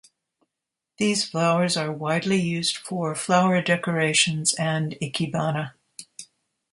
These flowers are widely used for Flower Decorations and Ikebana.